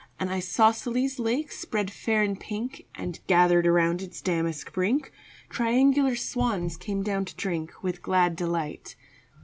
An isosceles lake spread fair and pink, And, gathered about its damask brink, Triangular swans came down to drink With glad delight.